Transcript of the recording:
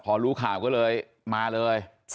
พอรู้ข่าก็มาเลย